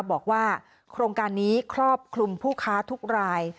บอกว่าโครงการนี้ครอบคลุมผู้ค้าทุกราย